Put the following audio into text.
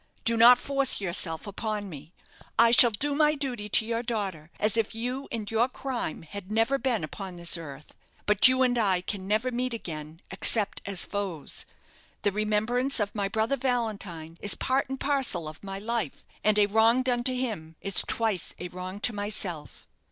Do not force yourself upon me. I shall do my duty to your daughter as if you and your crime had never been upon this earth. But you and I can never meet again except as foes. The remembrance of my brother Valentine is part and parcel of my life, and a wrong done to him is twice a wrong to myself."